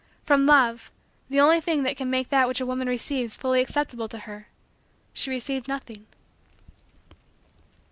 From love, the only thing that can make that which a woman receives fully acceptable to her, she received nothing.